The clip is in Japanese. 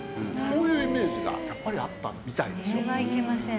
そういうイメージがやっぱりあったみたいですよ。